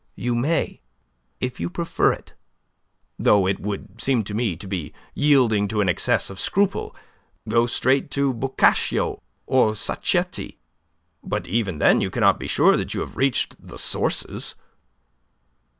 You may, if you prefer it though it would seem to me to be yielding to an excess of scruple go straight to Boccaccio or Sacchetti. But even then you cannot be sure that you have reached the sources."